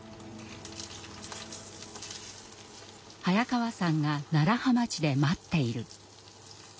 「早川さんが楢葉町で待っている」。